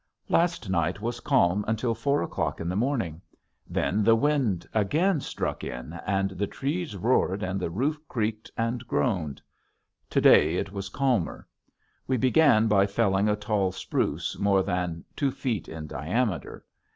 Last night was calm until four o'clock in the morning. Then the wind again struck in and the trees roared and the roof creaked and groaned. To day it was calmer. We began by felling a tall spruce more than two feet in diameter.